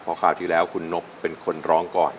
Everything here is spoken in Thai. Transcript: เพราะคราวที่แล้วคุณนบเป็นคนร้องก่อน